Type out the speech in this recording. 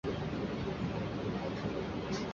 卡斯蒂隆人口变化图示